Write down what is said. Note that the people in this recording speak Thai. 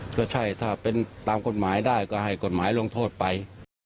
ก็ใช่ถ้าเป็นตามกฎหมายได้ก็ให้กฎหมายลงโทษไป